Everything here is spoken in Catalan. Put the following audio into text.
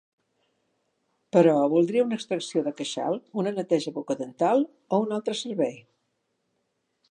Però voldria una extracció de queixal, una neteja bucodental o un altre servei?